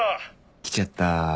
来ちゃった